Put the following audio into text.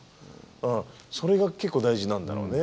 ああそれが結構大事なんだろうね。